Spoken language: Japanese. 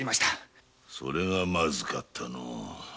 それがまずかった。